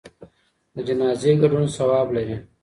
د جنازې ګډون ثواب لري.